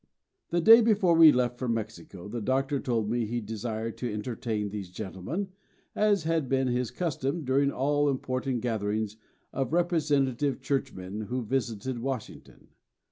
The day before we left for Mexico, the Doctor told me he desired to entertain these gentlemen, as had been his custom during all important gatherings of representative churchmen who visited Washington.